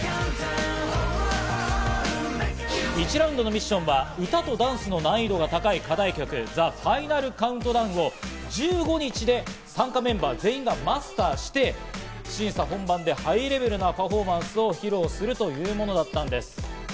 １ラウンドのミッションは、歌とダンスの難易度が高い課題曲『ＴｈｅＦｉｎａｌＣｏｕｎｔｄｏｗｎ』を１５日で参加メンバー全員がマスターして、審査本番でハイレベルなパフォーマンスを披露するというものだったんです。